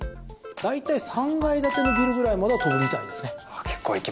大体３階建てのビルぐらいまでは跳ぶみたいですね。